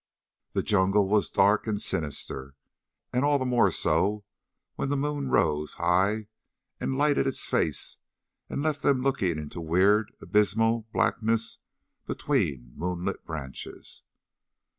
The jungle was dark and sinister, and all the more so when the moon rose high and lightened its face and left them looking into weird, abysmal blackness between moonlit branches.